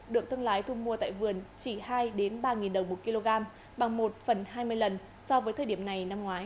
được thương lái thu mua tại vườn chỉ hai ba đồng một kg bằng một phần hai mươi lần so với thời điểm này năm ngoái